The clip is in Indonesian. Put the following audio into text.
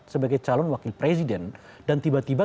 sebagai calon wakil presiden dan tiba tiba